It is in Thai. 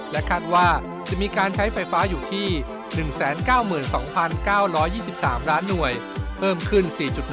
คาดว่าจะมีการใช้ไฟฟ้าอยู่ที่๑๙๒๙๒๓ล้านหน่วยเพิ่มขึ้น๔๑